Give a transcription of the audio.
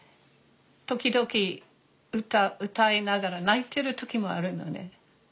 時々歌歌いながら泣いてる時もあるのね。